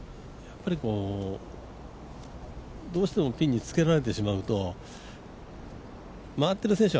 どうしてもピンにつけられてしまうと回ってる選手